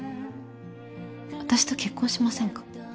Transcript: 私と結婚しませんか。